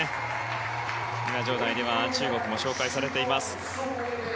場内には中国も紹介されています。